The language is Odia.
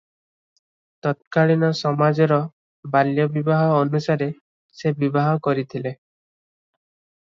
ତତ୍କାଳୀନ ସମାଜର ବାଲ୍ୟବିବାହ ଅନୁସାରେ ସେ ବିବାହ କରିଥିଲେ ।